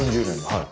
はい。